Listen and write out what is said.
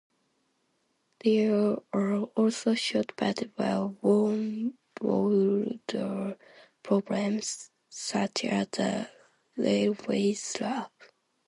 There are also short but well-worn 'boulder problems' such as the 'Railway Slab'.